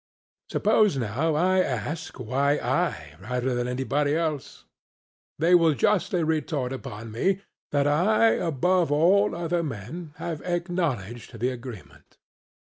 Suppose now I ask, why I rather than anybody else? they will justly retort upon me that I above all other men have acknowledged the agreement.